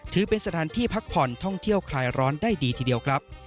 ถือเป็นสถานที่พักผ่อนท่องเที่ยวคลายร้อนได้ดีทีเดียวครับ